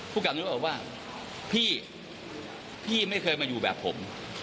ผู้กลับนิรวัติบอกว่าพี่พี่ไม่เคยมาอยู่แบบผม